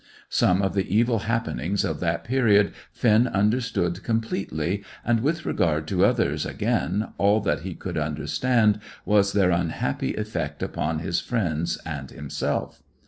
Some of the evil happenings of that period Finn understood completely, and with regard to others again, all that he could understand was their unhappy effect upon his friends and himself.